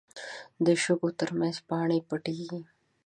د شګو تر منځ پاڼې پټېږي